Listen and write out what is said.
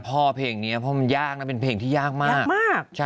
พ่อเพลงนี้เพราะมันยากนะเป็นเพลงที่ยากมาก